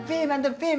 fihim antum fihim